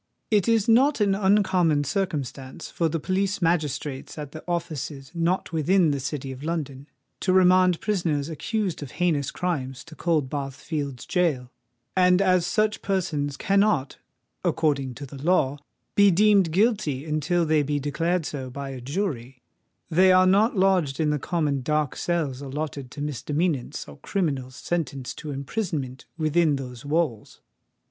It is not an uncommon circumstance for the police magistrates at the offices not within the City of London to remand prisoners accused of heinous crimes to Coldbath Fields' gaol; and as such persons cannot, according to the law, be deemed guilty until they be declared so by a jury, they are not lodged in the common dark cells allotted to misdemeanants or criminals sentenced to imprisonment within those walls.